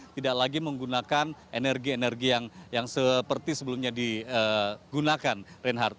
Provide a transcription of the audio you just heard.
tidak lagi menggunakan energi energi yang seperti sebelumnya digunakan reinhardt